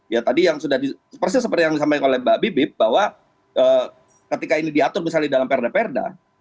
ya tadi yang sudah persis seperti yang disampaikan oleh mbak bibip bahwa ketika ini diatur misalnya dalam perda perda